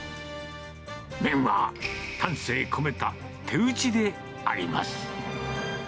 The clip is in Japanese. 麺は、丹精込めた手打ちであります。